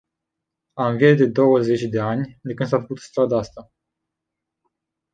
Am vie de douăzeci de ani, de când s-a făcut strada asta.